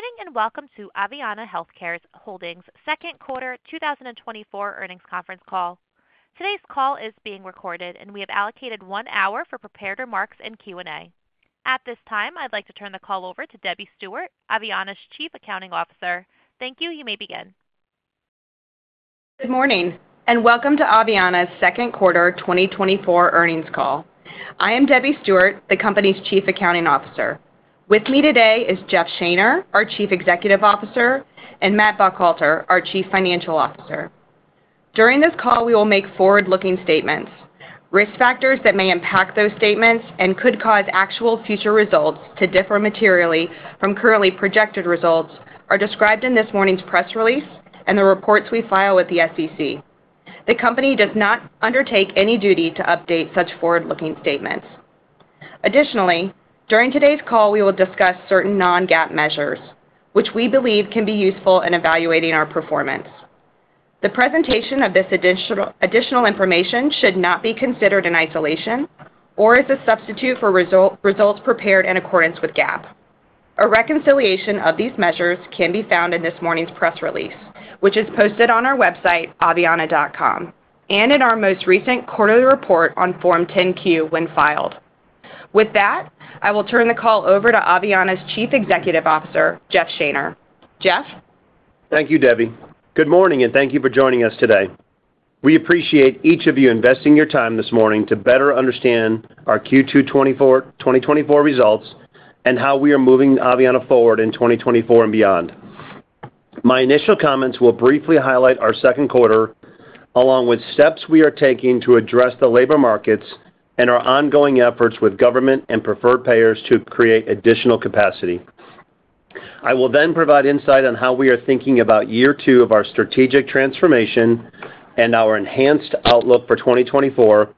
Good morning, and welcome to Aveanna Healthcare Holdings second quarter 2024 earnings conference call. Today's call is being recorded, and we have allocated 1 hour for prepared remarks and Q&A. At this time, I'd like to turn the call over to Debbie Stewart, Aveanna's Chief Accounting Officer. Thank you. You may begin. Good morning, and welcome to Aveanna's second quarter 2024 earnings call. I am Debbie Stewart, the company's Chief Accounting Officer. With me today is Jeff Shaner, our Chief Executive Officer, and Matt Buckhalter, our Chief Financial Officer. During this call, we will make forward-looking statements. Risk Factors that may impact those statements and could cause actual future results to differ materially from currently projected results are described in this morning's press release and the reports we file with the SEC. The company does not undertake any duty to update such forward-looking statements. Additionally, during today's call, we will discuss certain non-GAAP measures, which we believe can be useful in evaluating our performance. The presentation of this additional information should not be considered in isolation or as a substitute for results prepared in accordance with GAAP. A reconciliation of these measures can be found in this morning's press release, which is posted on our website, Aveanna.com, and in our most recent quarterly report on Form 10-Q, when filed. With that, I will turn the call over to Aveanna's Chief Executive Officer, Jeff Shaner. Jeff? Thank you, Debbie. Good morning, and thank you for joining us today. We appreciate each of you investing your time this morning to better understand our Q2 2024, 2024 results and how we are moving Aveanna forward in 2024 and beyond. My initial comments will briefly highlight our second quarter, along with steps we are taking to address the labor markets and our ongoing efforts with government and preferred payers to create additional capacity. I will then provide insight on how we are thinking about year two of our strategic transformation and our enhanced outlook for 2024,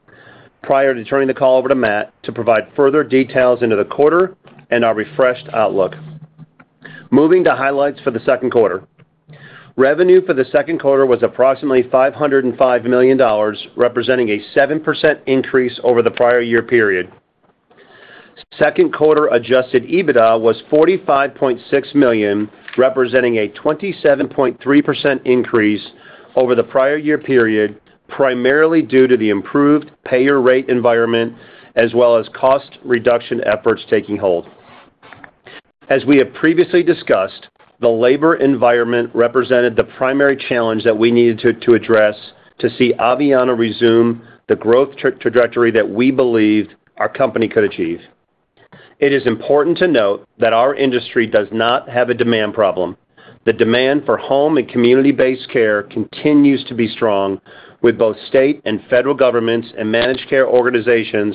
prior to turning the call over to Matt to provide further details into the quarter and our refreshed outlook. Moving to highlights for the second quarter. Revenue for the second quarter was approximately $505 million, representing a 7% increase over the prior year period. Second quarter adjusted EBITDA was $45.6 million, representing a 27.3% increase over the prior year period, primarily due to the improved payer rate environment, as well as cost reduction efforts taking hold. As we have previously discussed, the labor environment represented the primary challenge that we needed to address to see Aveanna resume the growth trajectory that we believed our company could achieve. It is important to note that our industry does not have a demand problem. The demand for home and community-based care continues to be strong, with both state and federal governments and managed care organizations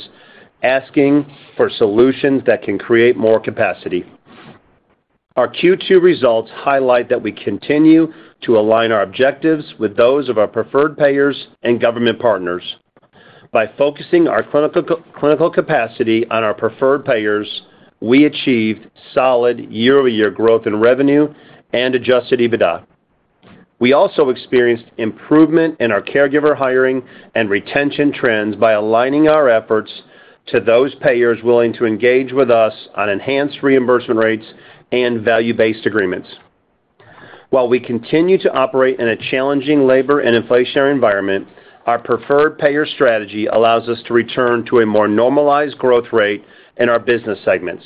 asking for solutions that can create more capacity. Our Q2 results highlight that we continue to align our objectives with those of our preferred payers and government partners. By focusing our clinical capacity on our preferred payers, we achieved solid year-over-year growth in revenue and adjusted EBITDA. We also experienced improvement in our caregiver hiring and retention trends by aligning our efforts to those payers willing to engage with us on enhanced reimbursement rates and value-based agreements. While we continue to operate in a challenging labor and inflationary environment, our preferred payer strategy allows us to return to a more normalized growth rate in our business segments.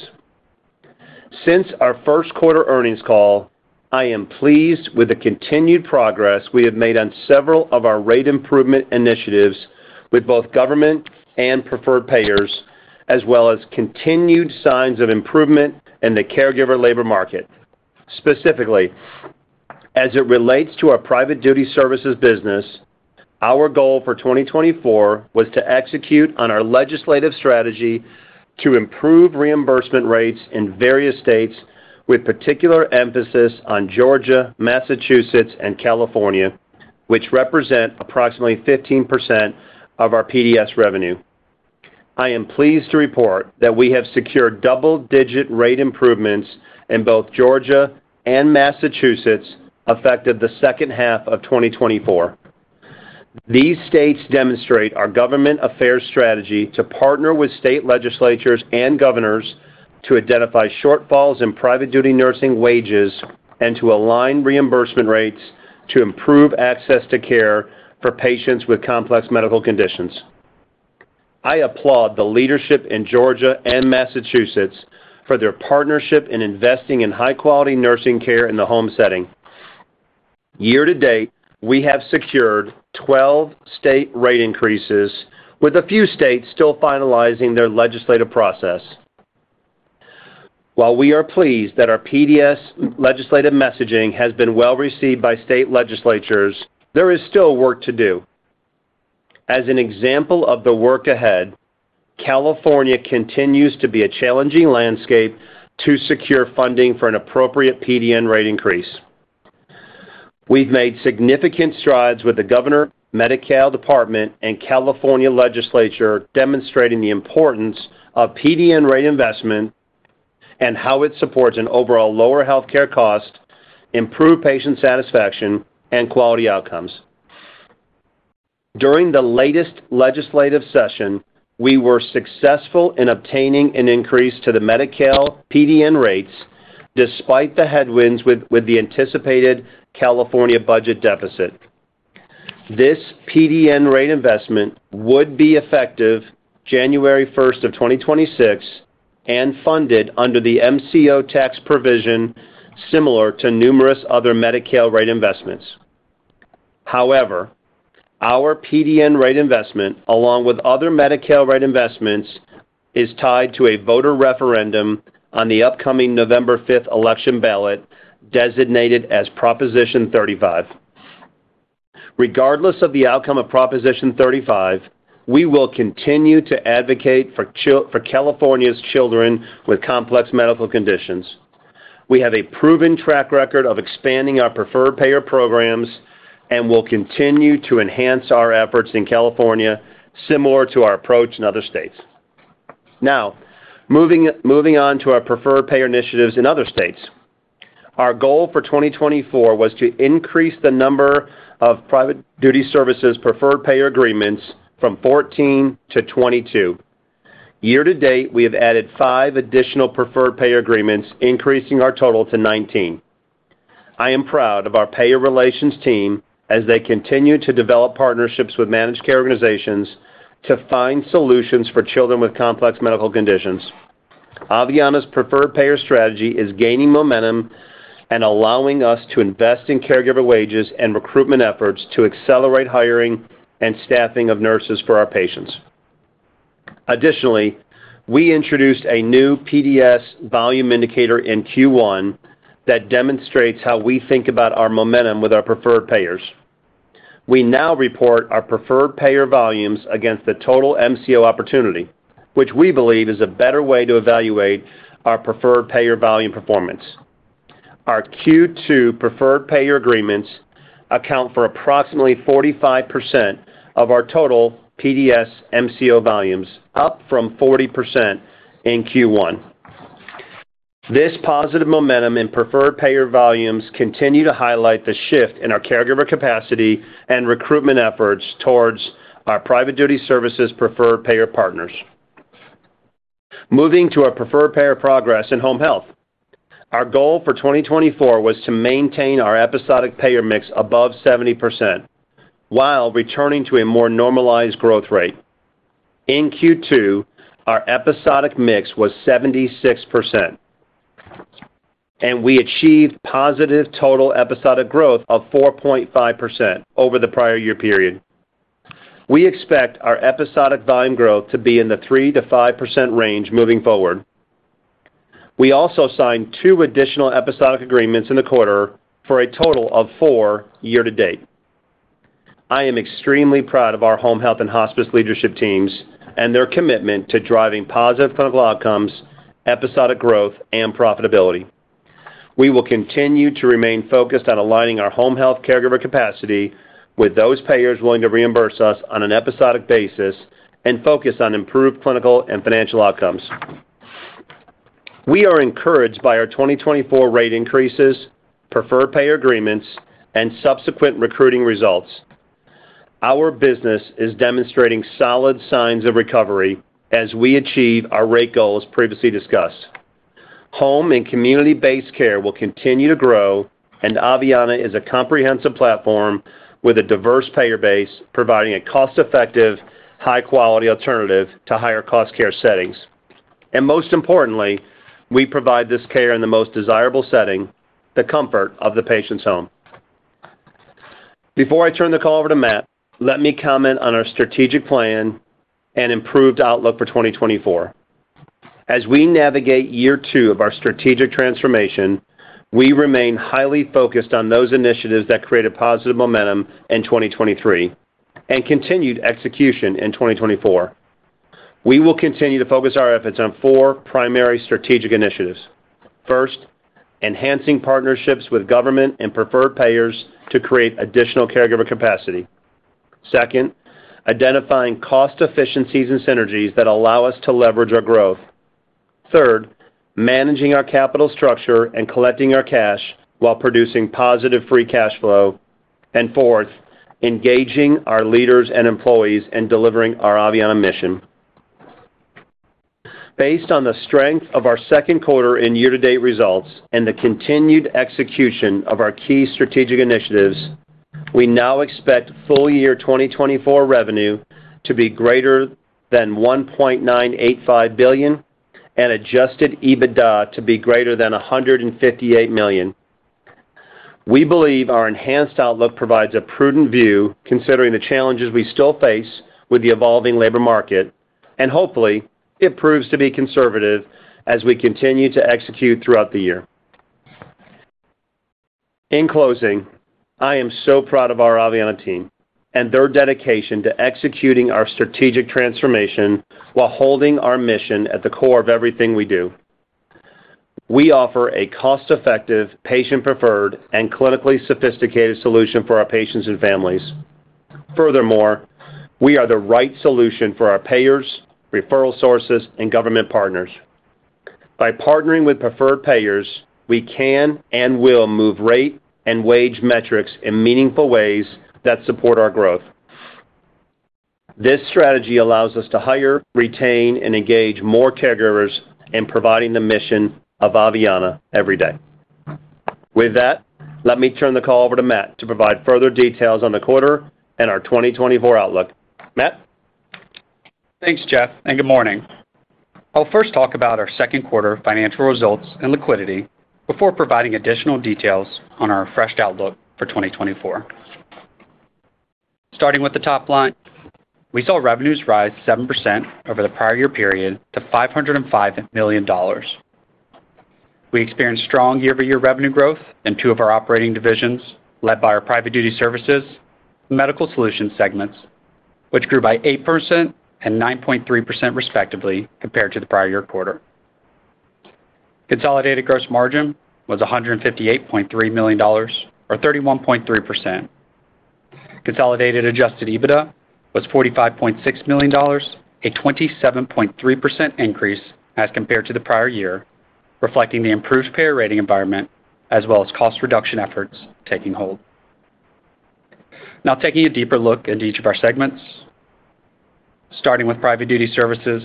Since our first quarter earnings call, I am pleased with the continued progress we have made on several of our rate improvement initiatives with both government and preferred payers, as well as continued signs of improvement in the caregiver labor market. Specifically, as it relates to our Private Duty Services business, our goal for 2024 was to execute on our legislative strategy to improve reimbursement rates in various states, with particular emphasis on Georgia, Massachusetts, and California, which represent approximately 15% of our PDS revenue. I am pleased to report that we have secured double-digit rate improvements in both Georgia and Massachusetts, effective the second half of 2024. These states demonstrate our government affairs strategy to partner with state legislatures and governors to identify shortfalls in private duty nursing wages and to align reimbursement rates to improve access to care for patients with complex medical conditions. I applaud the leadership in Georgia and Massachusetts for their partnership in investing in high-quality nursing care in the home setting. Year-to-date, we have secured 12 state rate increases, with a few states still finalizing their legislative process. While we are pleased that our PDS legislative messaging has been well received by state legislatures, there is still work to do. As an example of the work ahead, California continues to be a challenging landscape to secure funding for an appropriate PDN rate increase. We've made significant strides with the governor, Medi-Cal Department, and California Legislature, demonstrating the importance of PDN rate investment and how it supports an overall lower healthcare cost, improved patient satisfaction, and quality outcomes.... During the latest legislative session, we were successful in obtaining an increase to the Medi-Cal PDN rates, despite the headwinds with the anticipated California budget deficit. This PDN rate investment would be effective January 1st, 2026 and funded under the MCO tax provision, similar to numerous other Medi-Cal rate investments. However, our PDN rate investment, along with other Medi-Cal rate investments, is tied to a voter referendum on the upcoming November 5 election ballot, designated as Proposition 35. Regardless of the outcome of Proposition 35, we will continue to advocate for California's children with complex medical conditions. We have a proven track record of expanding our preferred payer programs and will continue to enhance our efforts in California, similar to our approach in other states. Now, moving on to our preferred payer initiatives in other states. Our goal for 2024 was to increase the number of Private Duty Services preferred payer agreements from 14-22. Year-to-date, we have added 5 additional preferred payer agreements, increasing our total to 19. I am proud of our payer relations team as they continue to develop partnerships with managed care organizations to find solutions for children with complex medical conditions. Aveanna's preferred payer strategy is gaining momentum and allowing us to invest in caregiver wages and recruitment efforts to accelerate hiring and staffing of nurses for our patients. Additionally, we introduced a new PDS volume indicator in Q1 that demonstrates how we think about our momentum with our preferred payers. We now report our preferred payer volumes against the total MCO opportunity, which we believe is a better way to evaluate our preferred payer volume performance. Our Q2 preferred payer agreements account for approximately 45% of our total PDS MCO volumes, up from 40% in Q1. This positive momentum in preferred payer volumes continue to highlight the shift in our caregiver capacity and recruitment efforts towards our Private Duty Services preferred payer partners. Moving to our preferred payer progress in home health. Our goal for 2024 was to maintain our episodic payer mix above 70% while returning to a more normalized growth rate. In Q2, our episodic mix was 76%, and we achieved positive total episodic growth of 4.5% over the prior year period. We expect our episodic volume growth to be in the 3%-5% range moving forward. We also signed 2 additional episodic agreements in the quarter for a total of 4 year-to-date. I am extremely proud of our home health and hospice leadership teams and their commitment to driving positive clinical outcomes, episodic growth, and profitability. We will continue to remain focused on aligning our home health caregiver capacity with those payers willing to reimburse us on an episodic basis and focus on improved clinical and financial outcomes. We are encouraged by our 2024 rate increases, preferred payer agreements, and subsequent recruiting results. Our business is demonstrating solid signs of recovery as we achieve our rate goals previously discussed. Home and community-based care will continue to grow, and Aveanna is a comprehensive platform with a diverse payer base, providing a cost-effective, high-quality alternative to higher cost care settings. Most importantly, we provide this care in the most desirable setting, the comfort of the patient's home. Before I turn the call over to Matt, let me comment on our strategic plan and improved outlook for 2024. As we navigate year 2 of our strategic transformation, we remain highly focused on those initiatives that created positive momentum in 2023 and continued execution in 2024. We will continue to focus our efforts on 4 primary strategic initiatives. First, enhancing partnerships with government and preferred payers to create additional caregiver capacity. Second, identifying cost efficiencies and synergies that allow us to leverage our growth. Third, managing our capital structure and collecting our cash while producing positive free cash flow. And fourth, engaging our leaders and employees in delivering our Aveanna mission. Based on the strength of our second quarter and year-to-date results and the continued execution of our key strategic initiatives, we now expect full-year 2024 revenue to be greater than $1.985 billion and adjusted EBITDA to be greater than $158 million. We believe our enhanced outlook provides a prudent view, considering the challenges we still face with the evolving labor market, and hopefully, it proves to be conservative as we continue to execute throughout the year. In closing, I am so proud of our Aveanna team and their dedication to executing our strategic transformation while holding our mission at the core of everything we do. We offer a cost-effective, patient-preferred, and clinically sophisticated solution for our patients and families. Furthermore, we are the right solution for our payers, referral sources, and government partners. By partnering with preferred payers, we can and will move rate and wage metrics in meaningful ways that support our growth. This strategy allows us to hire, retain, and engage more caregivers in providing the mission of Aveanna every day. With that, let me turn the call over to Matt to provide further details on the quarter and our 2024 outlook. Matt? Thanks, Jeff, and good morning. I'll first talk about our second quarter financial results and liquidity before providing additional details on our refreshed outlook for 2024. Starting with the top line, we saw revenues rise 7% over the prior year period to $505 million. We experienced strong year-over-year revenue growth in two of our operating divisions, led by our Private Duty Services, Medical Solutions segments, which grew by 8% and 9.3%, respectively, compared to the prior year quarter. Consolidated gross margin was $158.3 million or 31.3%. Consolidated adjusted EBITDA was $45.6 million, a 27.3% increase as compared to the prior year, reflecting the improved payer rating environment, as well as cost reduction efforts taking hold. Now taking a deeper look into each of our segments. Starting with Private Duty Services,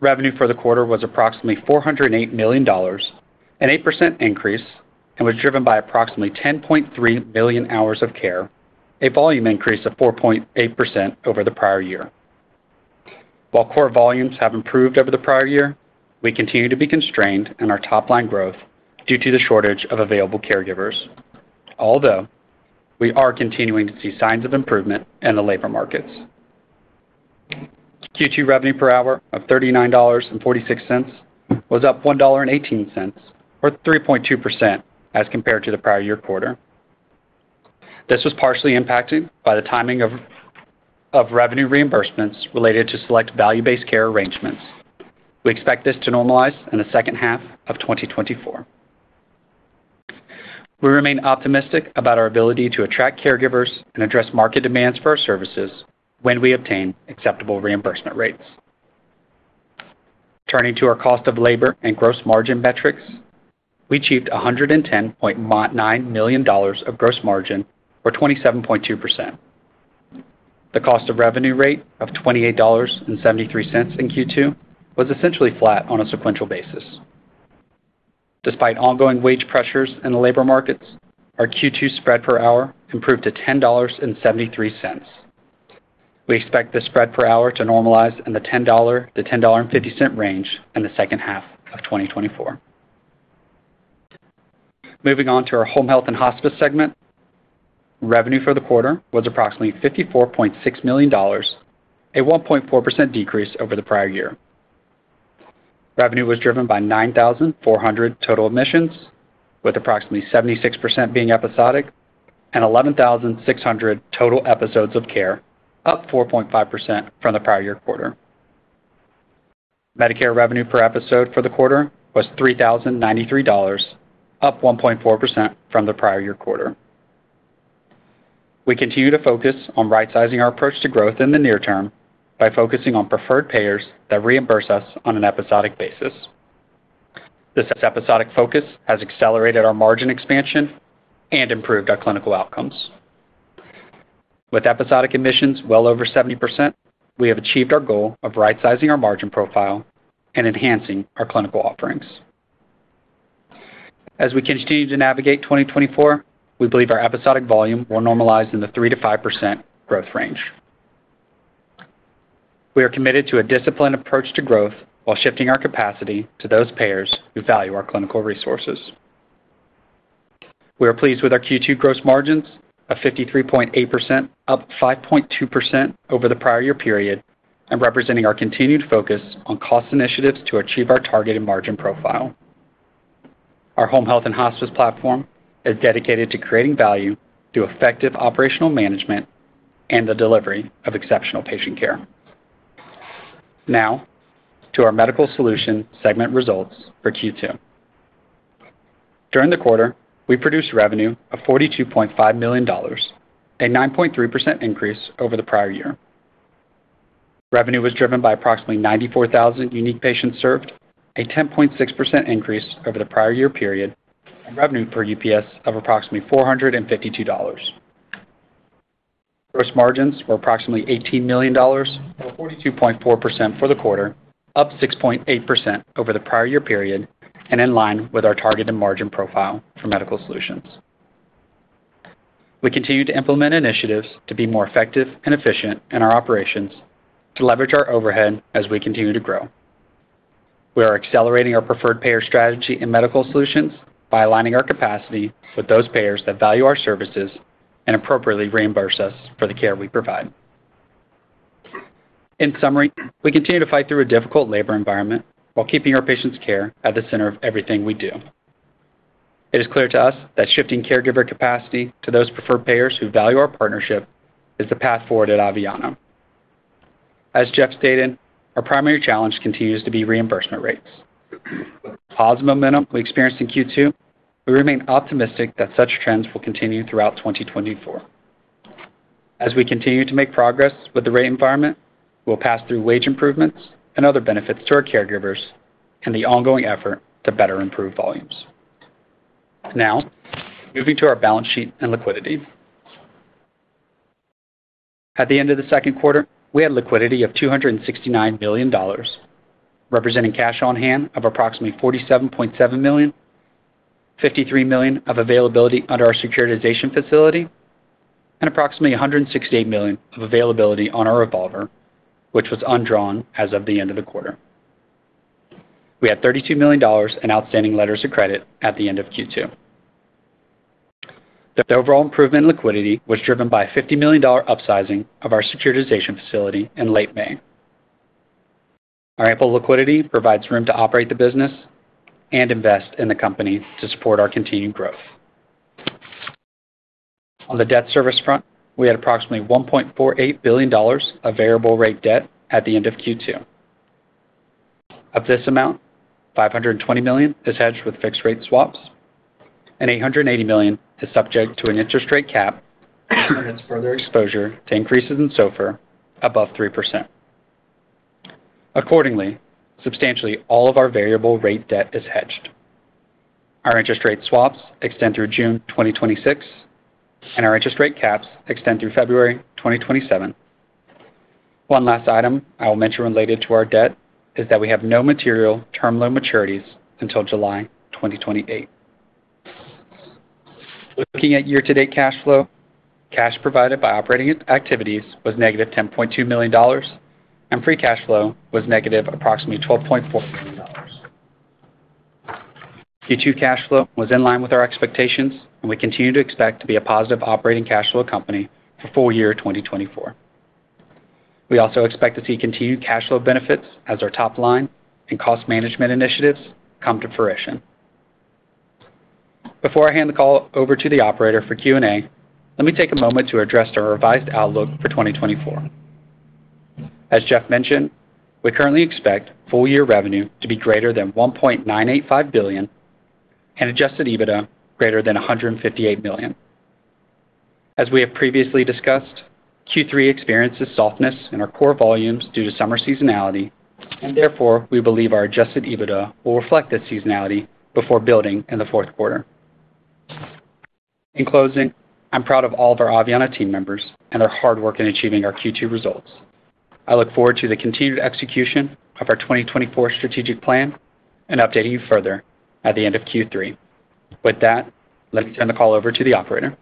revenue for the quarter was approximately $408 million, an 8% increase, and was driven by approximately 10.3 million hours of care, a volume increase of 4.8% over the prior year. While core volumes have improved over the prior year, we continue to be constrained in our top-line growth due to the shortage of available caregivers, although we are continuing to see signs of improvement in the labor markets. Q2 revenue per hour of $39.46 was up $1.18, or 3.2%, as compared to the prior year quarter. This was partially impacted by the timing of revenue reimbursements related to select value-based care arrangements. We expect this to normalize in the second half of 2024. We remain optimistic about our ability to attract caregivers and address market demands for our services when we obtain acceptable reimbursement rates. Turning to our cost of labor and gross margin metrics, we achieved $110.9 million of gross margin, or 27.2%. The cost of revenue rate of $28.73 in Q2 was essentially flat on a sequential basis. Despite ongoing wage pressures in the labor markets, our Q2 spread per hour improved to $10.73. We expect this spread per hour to normalize in the $10-$10.50 range in the second half of 2024. Moving on to our Home Health and Hospice segment. Revenue for the quarter was approximately $54.6 million, a 1.4% decrease over the prior year. Revenue was driven by 9,400 total admissions, with approximately 76% being episodic and 11,600 total episodes of care, up 4.5% from the prior year quarter. Medicare revenue per episode for the quarter was $3,093, up 1.4% from the prior year quarter. We continue to focus on right-sizing our approach to growth in the near term by focusing on preferred payers that reimburse us on an episodic basis. This episodic focus has accelerated our margin expansion and improved our clinical outcomes. With episodic admissions well over 70%, we have achieved our goal of right-sizing our margin profile and enhancing our clinical offerings. As we continue to navigate 2024, we believe our episodic volume will normalize in the 3%-5% growth range. We are committed to a disciplined approach to growth while shifting our capacity to those payers who value our clinical resources. We are pleased with our Q2 gross margins of 53.8%, up 5.2% over the prior year period and representing our continued focus on cost initiatives to achieve our targeted margin profile. Our Home Health and Hospice platform is dedicated to creating value through effective operational management and the delivery of exceptional patient care. Now, to our Medical Solutions segment results for Q2. During the quarter, we produced revenue of $42.5 million, a 9.3% increase over the prior year. Revenue was driven by approximately 94,000 unique patients served, a 10.6% increase over the prior year period, and revenue per UPS of approximately $452. Gross margins were approximately $18 million, or 42.4% for the quarter, up 6.8% over the prior year period and in line with our targeted margin profile for Medical Solutions. We continue to implement initiatives to be more effective and efficient in our operations to leverage our overhead as we continue to grow. We are accelerating our preferred payer strategy in Medical Solutions by aligning our capacity with those payers that value our services and appropriately reimburse us for the care we provide. In summary, we continue to fight through a difficult labor environment while keeping our patients' care at the center of everything we do. It is clear to us that shifting caregiver capacity to those preferred payers who value our partnership is the path forward at Aveanna. As Jeff stated, our primary challenge continues to be reimbursement rates. Positive momentum we experienced in Q2. We remain optimistic that such trends will continue throughout 2024. As we continue to make progress with the rate environment, we'll pass through wage improvements and other benefits to our caregivers and the ongoing effort to better improve volumes. Now, moving to our balance sheet and liquidity. At the end of the second quarter, we had liquidity of $269 million, representing cash on hand of approximately $47.7 million, $53 million of availability under our securitization facility, and approximately $168 million of availability on our revolver, which was undrawn as of the end of the quarter. We had $32 million in outstanding letters of credit at the end of Q2. The overall improvement in liquidity was driven by a $50 million upsizing of our securitization facility in late May. Our ample liquidity provides room to operate the business and invest in the company to support our continued growth. On the debt service front, we had approximately $1.48 billion of variable rate debt at the end of Q2. Of this amount, $520 million is hedged with fixed rate swaps, and $880 million is subject to an interest rate cap and has further exposure to increases in SOFR above 3%. Accordingly, substantially, all of our variable rate debt is hedged. Our interest rate swaps extend through June 2026, and our interest rate caps extend through February 2027. One last item I will mention related to our debt is that we have no material term loan maturities until July 2028. Looking at year-to-date cash flow, cash provided by operating activities was negative $10.2 million, and free cash flow was negative, approximately $12.4 million. Q2 cash flow was in line with our expectations, and we continue to expect to be a positive operating cash flow company for full-year 2024. We also expect to see continued cash flow benefits as our top line and cost management initiatives come to fruition. Before I hand the call over to the operator for Q&A, let me take a moment to address our revised outlook for 2024. As Jeff mentioned, we currently expect full-year revenue to be greater than $1.985 billion and adjusted EBITDA greater than $158 million. As we have previously discussed, Q3 experiences softness in our core volumes due to summer seasonality, and therefore, we believe our Adjusted EBITDA will reflect that seasonality before building in the fourth quarter. In closing, I'm proud of all of our Aveanna team members and our hard work in achieving our Q2 results. I look forward to the continued execution of our 2024 strategic plan and updating you further at the end of Q3. With that, let me turn the call over to the operator.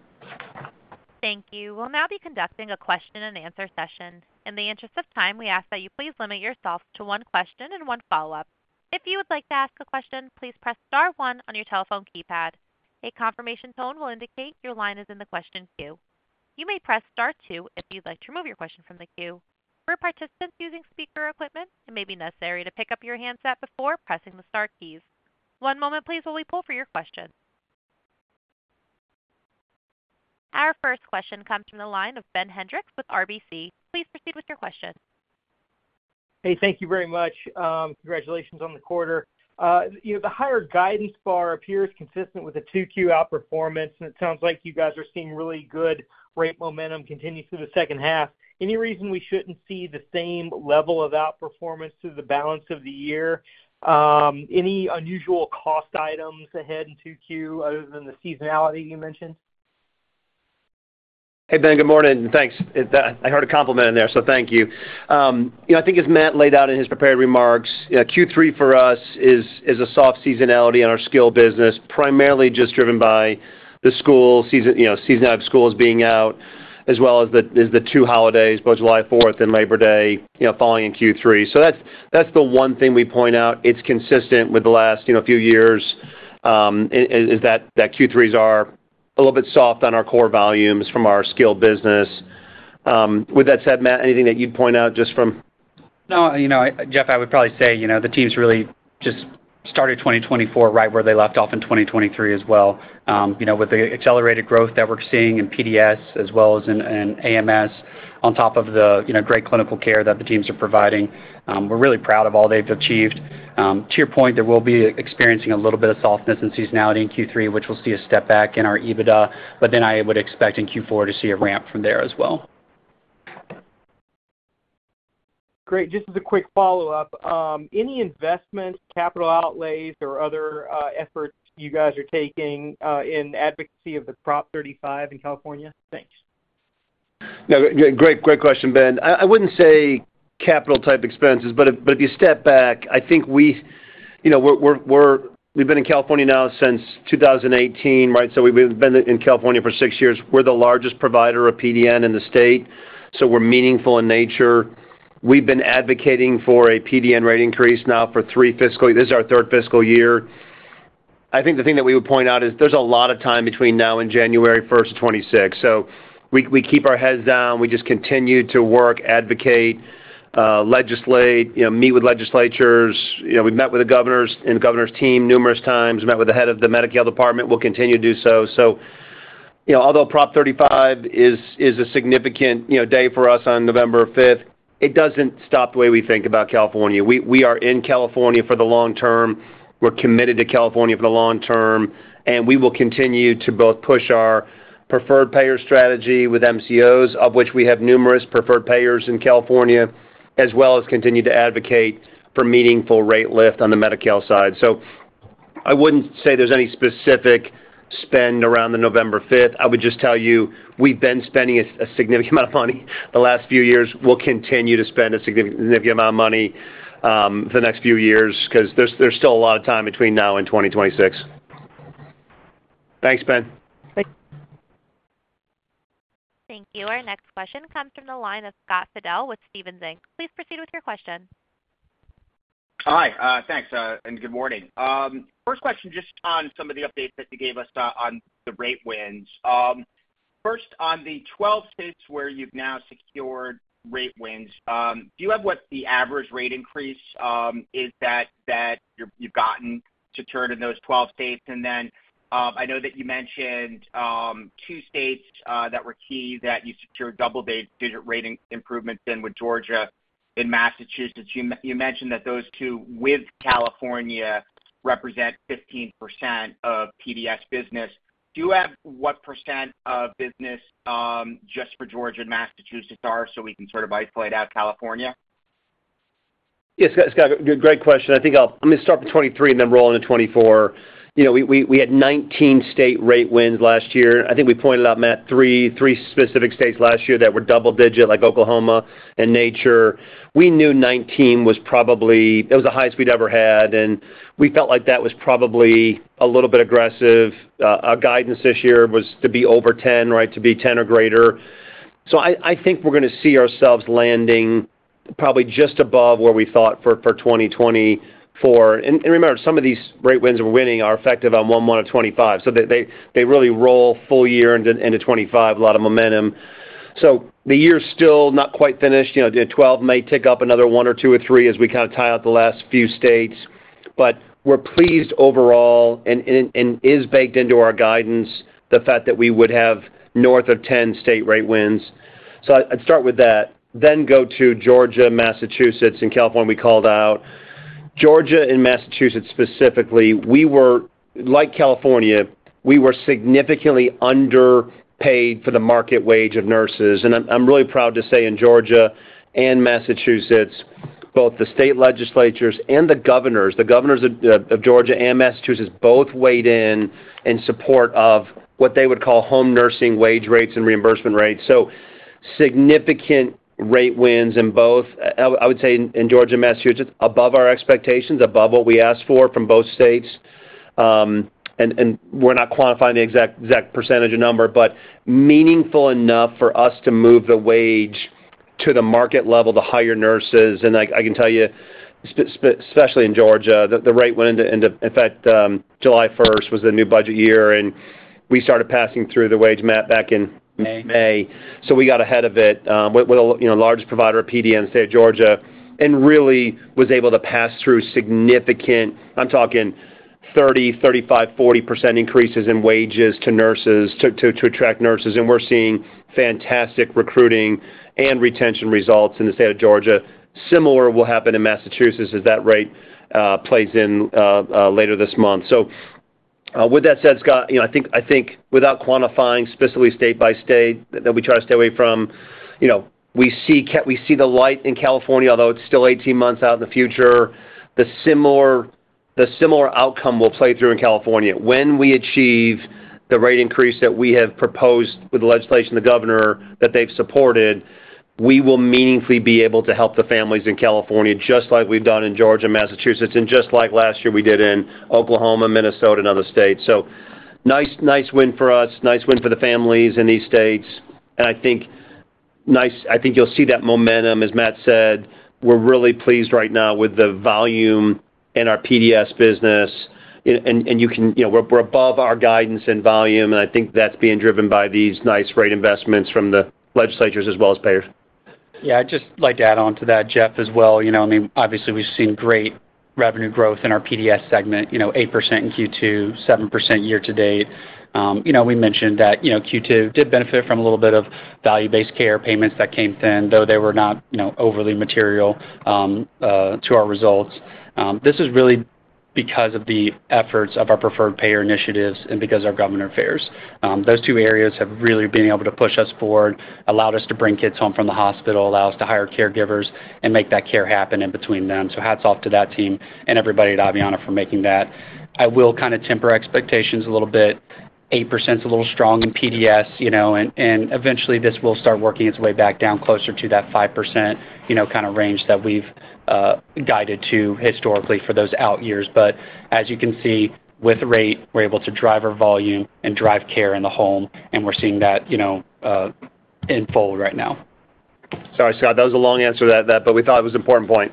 Thank you. We'll now be conducting a question and answer session. In the interest of time, we ask that you please limit yourself to one question and one follow-up. If you would like to ask a question, please press Star one on your telephone keypad. A confirmation tone will indicate your line is in the question queue. You may press Star two if you'd like to remove your question from the queue. For participants using speaker equipment, it may be necessary to pick up your handset before pressing the star keys. One moment, please, while we pull for your question. Our first question comes from the line of Ben Hendrix with RBC. Please proceed with your question. Hey, thank you very much. Congratulations on the quarter. You know, the higher guidance bar appears consistent with the 2Q outperformance, and it sounds like you guys are seeing really good rate momentum continue through the second half. Any reason we shouldn't see the same level of outperformance through the balance of the year? Any unusual cost items ahead in 2Q other than the seasonality you mentioned? Hey, Ben, good morning, and thanks. I heard a compliment in there, so thank you. You know, I think as Matt laid out in his prepared remarks, Q3 for us is a soft seasonality in our skilled business, primarily just driven by the school season, you know, seasonality of schools being out, as well as the two holidays, both July 4th and Labor Day, you know, falling in Q3. So that's the one thing we point out. It's consistent with the last, you know, few years, that Q3s are a little bit soft on our core volumes from our skilled business. With that said, Matt, anything that you'd point out just from- No. You know, Jeff, I would probably say, you know, the teams really just started 2024 right where they left off in 2023 as well. You know, with the accelerated growth that we're seeing in PDS as well as in AMS, on top of the, you know, great clinical care that the teams are providing, we're really proud of all they've achieved. To your point, there will be experiencing a little bit of softness and seasonality in Q3, which we'll see a step back in our EBITDA, but then I would expect in Q4 to see a ramp from there as well. Great. Just as a quick follow-up, any investment, capital outlays, or other efforts you guys are taking in advocacy of the Prop 35 in California? Thanks. No, great, great question, Ben. I, I wouldn't say capital-type expenses, but if, but if you step back, I think we, you know, we're, we're. We've been in California now since 2018, right? So we've been in California for 6 years. We're the largest provider of PDN in the state, so we're meaningful in nature. We've been advocating for a PDN rate increase now for 3 fiscal, this is our third fiscal year. I think the thing that we would point out is there's a lot of time between now and January first of 2026. So we, we keep our heads down. We just continue to work, advocate, legislate, you know, meet with legislatures. You know, we've met with the governors and governors' team numerous times. We met with the head of the medical department, we'll continue to do so. So, you know, although Prop 35 is a significant, you know, day for us on November 5th. It doesn't stop the way we think about California. We are in California for the long-term. We're committed to California for the long-term, and we will continue to both push our preferred payer strategy with MCOs, of which we have numerous preferred payers in California, as well as continue to advocate for meaningful rate lift on the Medi-Cal side. So I wouldn't say there's any specific spend around the November 5th. I would just tell you, we've been spending a significant amount of money the last few years. We'll continue to spend a significant amount of money for the next few years because there's still a lot of time between now and 2026. Thanks, Ben. Thank you. Our next question comes from the line of Scott Fidel with Stephens Inc. Please proceed with your question. Hi, thanks, and good morning. First question, just on some of the updates that you gave us, on the rate wins. First, on the 12 states where you've now secured rate wins, do you have what the average rate increase is that, that you've gotten to turn in those 12 states? And then, I know that you mentioned two states that were key, that you secured double-digit rate improvements in with Georgia and Massachusetts. You mentioned that those two, with California, represent 15% of PDS business. Do you have what % of business just for Georgia and Massachusetts are, so we can sort of isolate out California? Yes, Scott, great question. I think I'll. I'm going to start with 2023 and then roll into 2024. You know, we had 19 state rate wins last year. I think we pointed out, Matt, 3 specific states last year that were double digit, like Oklahoma and Massachusetts. We knew 19 was probably... It was the highest we'd ever had, and we felt like that was probably a little bit aggressive. Our guidance this year was to be over 10, right, to be 10 or greater. So I think we're going to see ourselves landing probably just above where we thought for 2024. And remember, some of these rate wins we're winning are effective on 1/1/2025, so they really roll full-year into 2025, a lot of momentum. So the year's still not quite finished. You know, the 12 may tick up another 1 or 2 or 3 as we kind of tie out the last few states. But we're pleased overall, and is baked into our guidance, the fact that we would have north of 10 state rate wins. So I'd start with that, then go to Georgia, Massachusetts, and California we called out. Georgia and Massachusetts, specifically, we were, like California, we were significantly underpaid for the market wage of nurses. And I'm really proud to say in Georgia and Massachusetts, both the state legislatures and the governors, the governors of Georgia and Massachusetts, both weighed in in support of what they would call home nursing wage rates and reimbursement rates. So significant rate wins in both, I would say in Georgia and Massachusetts, above our expectations, above what we asked for from both states. And we're not quantifying the exact percentage of number, but meaningful enough for us to move the wage to the market level to hire nurses. And I can tell you, especially in Georgia, the rate went into—in fact, July 1st was the new budget year, and we started passing through the wage, Matt, back in May. So we got ahead of it with, you know, largest provider of PD in the state of Georgia, and really was able to pass through significant, I'm talking 30%, 35%, 40% increases in wages to nurses to attract nurses, and we're seeing fantastic recruiting and retention results in the state of Georgia. Similar will happen in Massachusetts as that rate plays in later this month. So, with that said, Scott, you know, I think without quantifying specifically state by state, that we try to stay away from, you know, we see the light in California, although it's still 18 months out in the future. The similar outcome will play through in California. When we achieve the rate increase that we have proposed with the legislation, the governor, that they've supported, we will meaningfully be able to help the families in California, just like we've done in Georgia and Massachusetts, and just like last year we did in Oklahoma, Minnesota, and other states. So nice, nice win for us, nice win for the families in these states, and I think you'll see that momentum, as Matt said, we're really pleased right now with the volume in our PDS business. You can, you know, we're above our guidance and volume, and I think that's being driven by these nice rate investments from the legislatures as well as payers. Yeah, I'd just like to add on to that, Jeff, as well. You know, I mean, obviously, we've seen great revenue growth in our PDS segment, you know, 8% in Q2, 7% year-to-date. You know, we mentioned that, you know, Q2 did benefit from a little bit of value-based care payments that came in, though they were not, you know, overly material to our results. This is really because of the efforts of our preferred payer initiatives and because our government affairs. Those two areas have really been able to push us forward, allowed us to bring kids home from the hospital, allow us to hire caregivers and make that care happen in between them. So hats off to that team and everybody at Aveanna for making that. I will kind of temper expectations a little bit. 8%'s a little strong in PDS, you know, and eventually this will start working its way back down closer to that 5%, you know, kind of range that we've guided to historically for those out years. But as you can see, with rate, we're able to drive our volume and drive care in the home, and we're seeing that, you know, in full right now. Sorry, Scott, that was a long answer to that, but we thought it was an important point.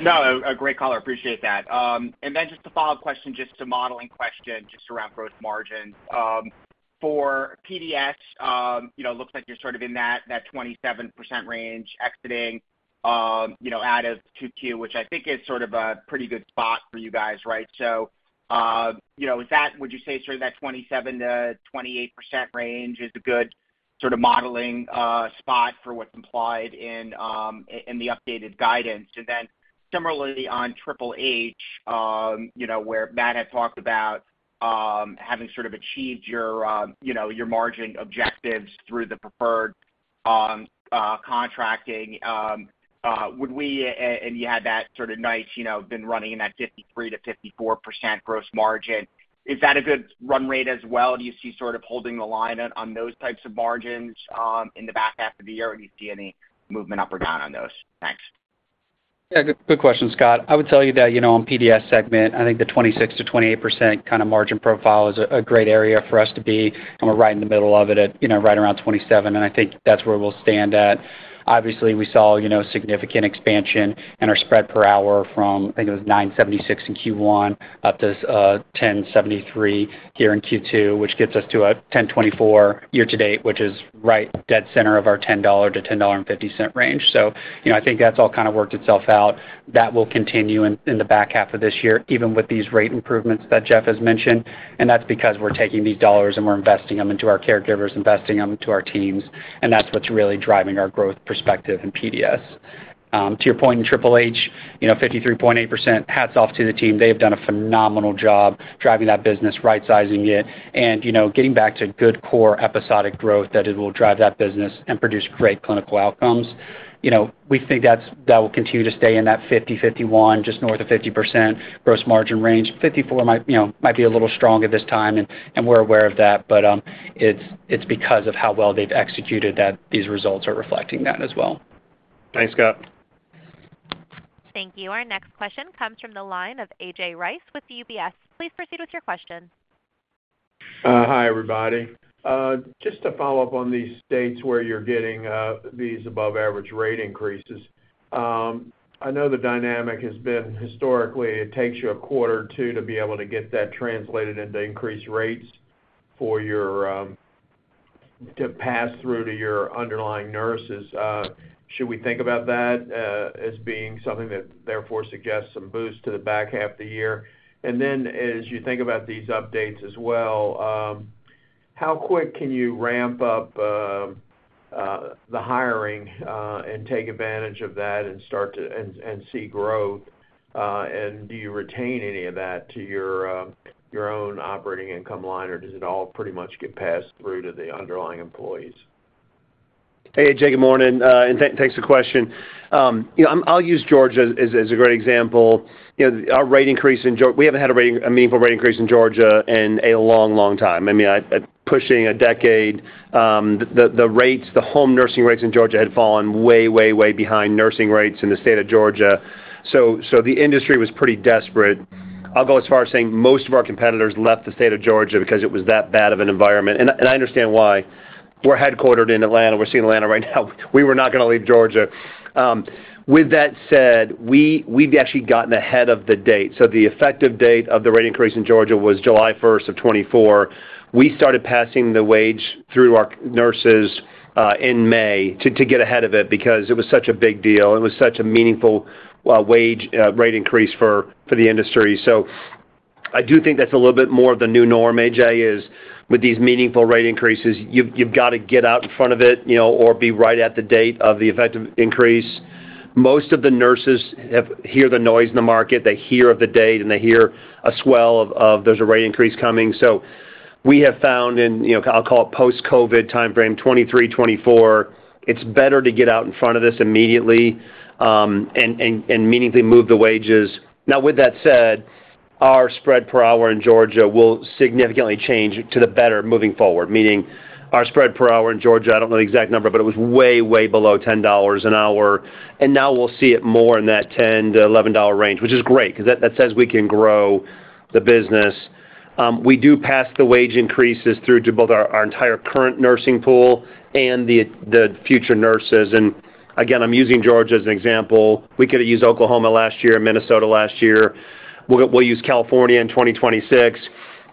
No, a great call. I appreciate that. And then just a follow-up question, just a modeling question, just around growth margins. For PDS, you know, looks like you're sort of in that 27%range exiting out of 2Q, which I think is sort of a pretty good spot for you guys, right? So, you know, is that, would you say sort of that 27%-28% range is a good sort of modeling spot for what's implied in the updated guidance? And then similarly, on Triple H, you know, where Matt had talked about, having sort of achieved your, you know, your margin objectives through the preferred, contracting, and you had that sort of nice, you know, been running in that 53%-54% gross margin. Is that a good run rate as well? Do you see sort of holding the line on, on those types of margins, in the back half of the year? Or do you see any movement up or down on those? Thanks. Yeah, good, good question, Scott. I would tell you that, you know, on PDS segment, I think the 26%-28% kind of margin profile is a, a great area for us to be, and we're right in the middle of it at, you know, right around 27, and I think that's where we'll stand at. Obviously, we saw, you know, significant expansion in our spread per hour from, I think, it was $9.76 in Q1, up to ten seventy-three here in Q2, which gets us to a $10.24 year-to-date, which is right dead center of our $10-$10.50 range. So, you know, I think that's all kind of worked itself out. That will continue in, in the back half of this year, even with these rate improvements that Jeff has mentioned. And that's because we're taking these dollars, and we're investing them into our caregivers, investing them into our teams, and that's what's really driving our growth perspective in PDS. To your point, in Triple H, you know, 53.8%, hats off to the team. They have done a phenomenal job driving that business, right sizing it, and, you know, getting back to good core episodic growth that it will drive that business and produce great clinical outcomes. You know, we think that's that will continue to stay in that 50%, 51%, just north of 50% gross margin range. 54 might, you know, might be a little strong at this time, and, and we're aware of that, but, it's, it's because of how well they've executed that these results are reflecting that as well. Thanks, Scott. Thank you. Our next question comes from the line of A.J. Rice with UBS. Please proceed with your question. Hi, everybody. Just to follow up on these states where you're getting these above average rate increases. I know the dynamic has been historically, it takes you a quarter or two to be able to get that translated into increased rates for your to pass through to your underlying nurses. Should we think about that as being something that therefore suggests some boost to the back half of the year? And then as you think about these updates as well, how quick can you ramp up the hiring and take advantage of that and start to and see growth? And do you retain any of that to your your own operating income line, or does it all pretty much get passed through to the underlying employees? Hey, A.J., good morning, and thanks for the question. You know, I'll use Georgia as a great example. You know, our rate increase in Georgia. We haven't had a rate, a meaningful rate increase in Georgia in a long, long time. I mean, pushing a decade. The rates, the home nursing rates in Georgia had fallen way behind nursing rates in the state of Georgia. So the industry was pretty desperate. I'll go as far as saying most of our competitors left the state of Georgia because it was that bad of an environment, and I understand why. We're headquartered in Atlanta. We're seeing Atlanta right now. We were not gonna leave Georgia. With that said, we've actually gotten ahead of the date. So the effective date of the rate increase in Georgia was July 1st, 2024. We started passing the wage through our nurses in May to get ahead of it because it was such a big deal. It was such a meaningful wage rate increase for the industry. So I do think that's a little bit more of the new norm, A.J., is with these meaningful rate increases, you've got to get out in front of it, you know, or be right at the date of the effective increase. Most of the nurses have heard the noise in the market. They hear of the date, and they hear as well that there's a rate increase coming. So we have found in, you know, I'll call it post-COVID timeframe, 2023, 2024, it's better to get out in front of this immediately, and meaningfully move the wages. Now, with that said, our spread per hour in Georgia will significantly change to the better moving forward, meaning our spread per hour in Georgia, I don't know the exact number, but it was way, way below $10 an hour, and now we'll see it more in that $10-$11 range, which is great because that, that says we can grow the business. We do pass the wage increases through to both our entire current nursing pool and the future nurses. And again, I'm using Georgia as an example. We could have used Oklahoma last year and Minnesota last year. We'll use California in 2026.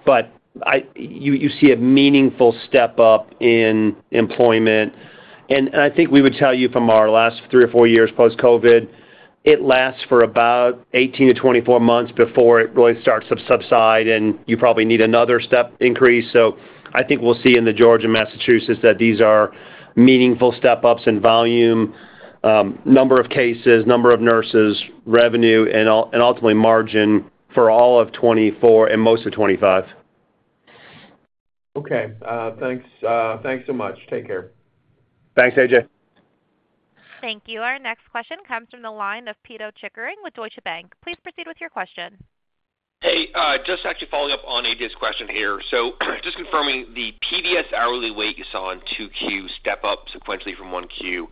But you see a meaningful step up in employment, and I think we would tell you from our last 3 or 4 years post-COVID, it lasts for about 18-24 months before it really starts to subside, and you probably need another step increase. So I think we'll see in Georgia and Massachusetts that these are meaningful step ups in volume, number of cases, number of nurses, revenue, and ultimately margin for all of 2024 and most of 2025. Okay, thanks, thanks so much. Take care. Thanks, A.J. Thank you. Our next question comes from the line of Pito Chickering with Deutsche Bank. Please proceed with your question. Hey, just actually following up on A.J.'s question here. Just confirming the PDS hourly wage you saw in 2Q step up sequentially from 1Q,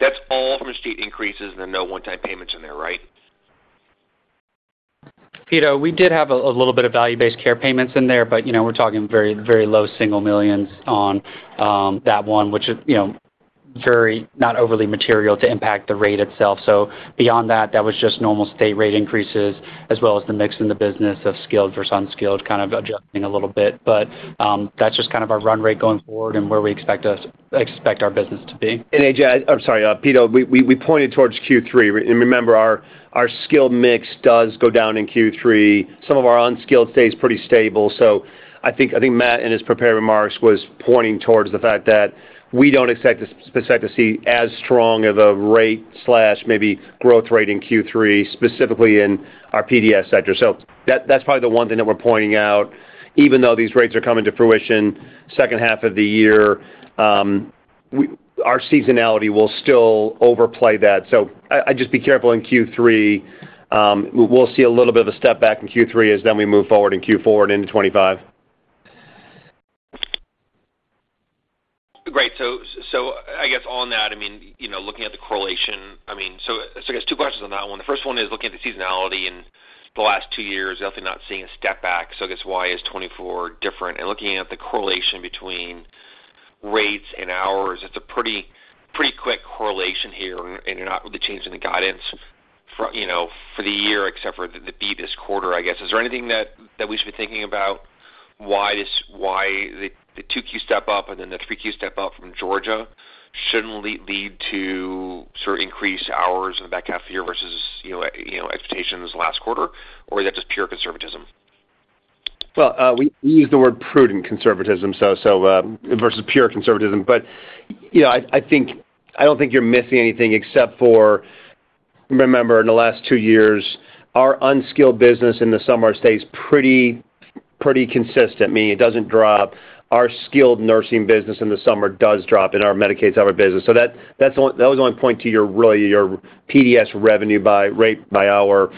that's all from state increases and then no one-time payments in there, right? Pito, we did have a little bit of value-based care payments in there, but, you know, we're talking very, very low single millions on that one, which is, you know- Very, not overly material to impact the rate itself. So beyond that, that was just normal state rate increases, as well as the mix in the business of skilled versus unskilled, kind of adjusting a little bit. But, that's just kind of our run rate going forward and where we expect expect our business to be. A.J., I'm sorry, Pito we pointed towards Q3. And remember, our skilled mix does go down in Q3. Some of our unskilled stays pretty stable. So I think Matt, in his prepared remarks, was pointing towards the fact that we don't expect to see as strong of a rate slash maybe growth rate in Q3, specifically in our PDS sector. So that's probably the one thing that we're pointing out. Even though these rates are coming to fruition, second half of the year, our seasonality will still overplay that. So I'd just be careful in Q3. We'll see a little bit of a step back in Q3 as then we move forward in Q4 and into 2025. Great. So, so I guess on that, I mean, you know, looking at the correlation, I mean, so, so I guess two questions on that one. The first one is looking at the seasonality in the last two years, definitely not seeing a step back. So I guess why is 2024 different? And looking at the correlation between rates and hours, it's a pretty, pretty quick correlation here, and you're not with the change in the guidance for, you know, for the year, except for the beat this quarter, I guess. Is there anything that, that we should be thinking about why this, why the, the 2Q step up and then the 3Q step up from Georgia shouldn't lead, lead to sort of increased hours in the back half of the year versus, you know, you know, expectations last quarter? Or is that just pure conservatism? Well, we use the word prudent conservatism, so, versus pure conservatism. But, you know, I think... I don't think you're missing anything except for, remember, in the last two years, our unskilled business in the summer stays pretty, pretty consistent, meaning it doesn't drop. Our skilled nursing business in the summer does drop in our Medicaid summer business. So that, that's the only, that was the only point to your, really, your PDS revenue by rate, by hour.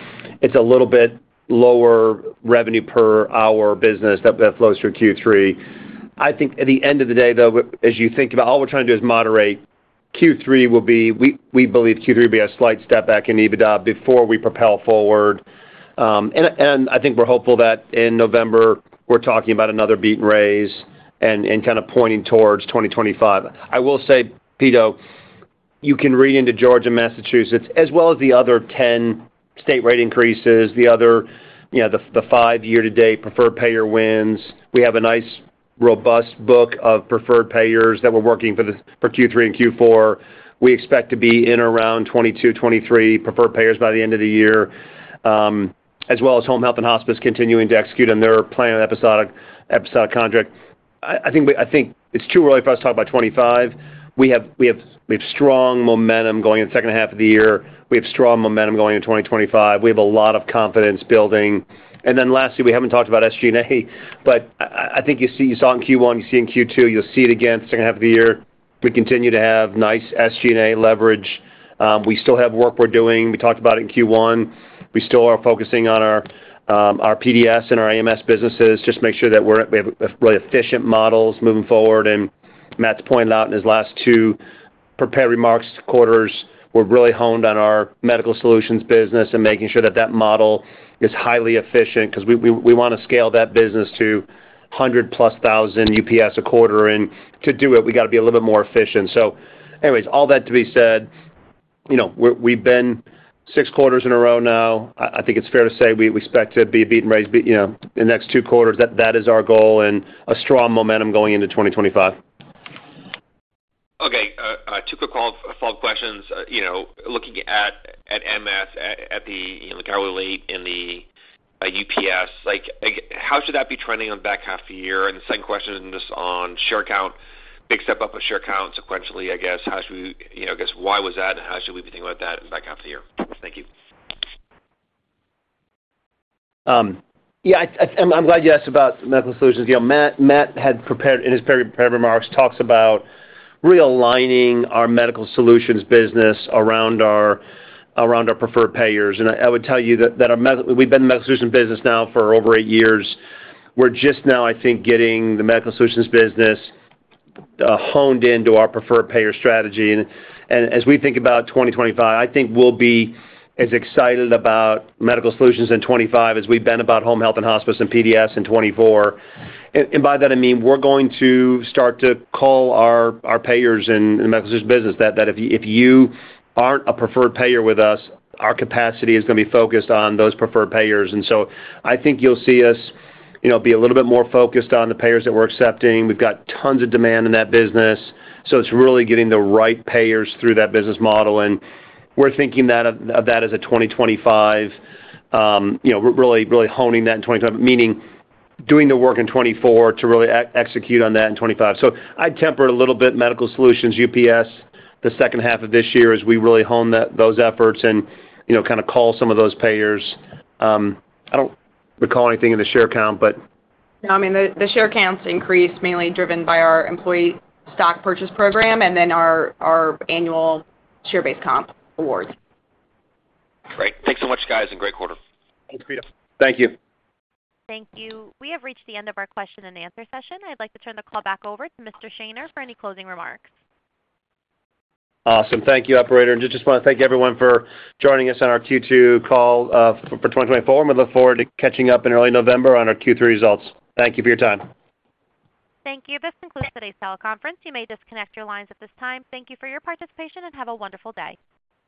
It's a little bit lower revenue per hour business that flows through Q3. I think at the end of the day, though, as you think about, all we're trying to do is moderate. Q3 will be. We believe Q3 will be a slight step back in EBITDA before we propel forward. And I think we're hopeful that in November, we're talking about another beat and raise and kind of pointing towards 2025. I will say, Pito, you can read into Georgia, Massachusetts, as well as the other 10 state rate increases, the other, you know, the 5 year-to-date preferred payer wins. We have a nice, robust book of preferred payers that we're working for Q3 and Q4. We expect to be in around 22, 23 preferred payers by the end of the year, as well as home health and hospice continuing to execute on their plan of episodic contract. I think it's too early for us to talk about 25. We have strong momentum going in the second half of the year. We have strong momentum going into 2025. We have a lot of confidence building. And then lastly, we haven't talked about SG&A, but I think you see, you saw in Q1, you see in Q2, you'll see it again, second half of the year. We continue to have nice SG&A leverage. We still have work we're doing. We talked about it in Q1. We still are focusing on our PDS and our AMS businesses, just to make sure that we're, we have really efficient models moving forward. And Matt's pointed out in his last two prepared remarks, quarters, we're really honed on our Medical Solutions business and making sure that that model is highly efficient, because we want to scale that business to 100+ thousand UPS a quarter, and to do it, we got to be a little bit more efficient. So anyways, all that to be said, you know, we've been six quarters in a row now. I think it's fair to say, we expect to be beat and raised, you know, the next two quarters. That is our goal and a strong momentum going into 2025. Okay, two quick follow-up questions. You know, looking at MS, the hourly and the UPS, like, how should that be trending in the back half of the year? And the second question is just on share count. Big step up of share count sequentially, I guess. How should we, you know, I guess, why was that, and how should we be thinking about that in the back half of the year? Thank you. Yeah, I'm glad you asked about Medical Solutions. You know, Matt had prepared, in his pre-prepared remarks, talks about realigning our Medical Solutions business around our preferred payers. And I would tell you that we've been in the Medical Solutions business now for over eight years. We're just now, I think, getting the Medical Solutions business honed into our preferred payer strategy. And as we think about 2025, I think we'll be as excited about Medical Solutions in 25 as we've been about Home Health and Hospice and PDS in 2024. And by that, I mean, we're going to start to call our payers in the Medical Solutions business that if you aren't a preferred payer with us, our capacity is going to be focused on those preferred payers. And so I think you'll see us, you know, be a little bit more focused on the payers that we're accepting. We've got tons of demand in that business, so it's really getting the right payers through that business model, and we're thinking that of that as a 2025, you know, really, really honing that in 2025, meaning doing the work in 2024 to really execute on that in 2025. So I'd temper it a little bit, Medical Solutions, UPS, the second half of this year, as we really hone that those efforts and, you know, kind of call some of those payers. I don't recall anything in the share count, but- No, I mean, the share counts increased, mainly driven by our employee stock purchase program and then our annual share-based comp awards. Great. Thanks so much, guys, and great quarter. Thanks, Pito. Thank you. Thank you. We have reached the end of our question and answer session. I'd like to turn the call back over to Mr. Shaner for any closing remarks. Awesome. Thank you, operator. Just want to thank everyone for joining us on our Q2 call for 2024. We look forward to catching up in early November on our Q3 results. Thank you for your time. Thank you. This concludes today's teleconference. You may disconnect your lines at this time. Thank you for your participation, and have a wonderful day.